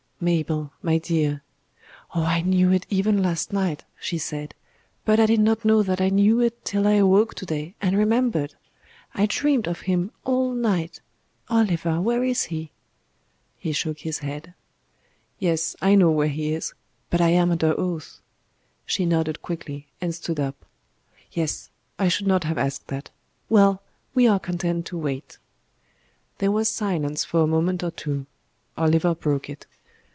"Mabel, my dear " "Oh! I knew it even last night," she said, "but I did not know that I knew it till I awoke to day and remembered. I dreamed of Him all night.... Oliver, where is He?" He shook his head. "Yes, I know where He is, but I am under oath " She nodded quickly, and stood up. "Yes. I should not have asked that. Well, we are content to wait." There was silence for a moment or two. Oliver broke it.